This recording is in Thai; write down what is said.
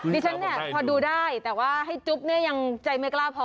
ดิฉันเนี่ยพอดูได้แต่ว่าให้จุ๊บเนี่ยยังใจไม่กล้าพอ